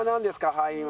敗因は。